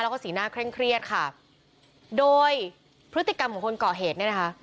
แล้วก็สีหน้าเคร่งเครียดค่ะโดยพฤติกรรมของคนเกาะเหตุเนี่ยนะคะ